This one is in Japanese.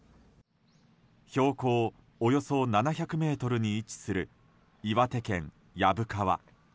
標高およそ７００ｍに位置する岩手県薮川。